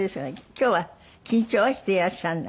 今日は緊張はしていらっしゃらない？